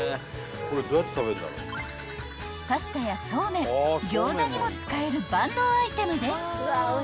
［パスタやそうめんギョーザにも使える万能アイテムです］